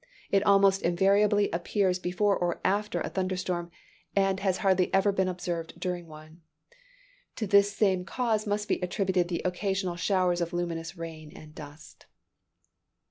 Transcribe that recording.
It almost invariably appears before or after a thunder storm: and has hardly ever been observed during one. To this same cause must be attributed the occasional showers of luminous rain and dust.